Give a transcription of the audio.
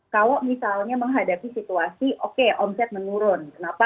kalau misalnya menghadapi situasi omset menurun kenapa